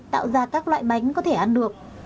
tạo ra các loại bánh có thể ăn được